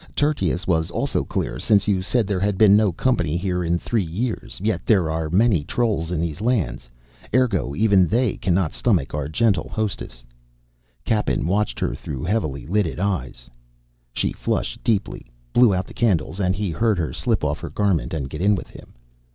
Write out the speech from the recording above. Tertius was also clear, since you said there had been no company here in three years yet are there many trolls in these lands, ergo even they cannot stomach our gentle hostess." Cappen watched her through heavy lidded eyes. She flushed deeply, blew out the candles, and he heard her slip off her garment and get in with him.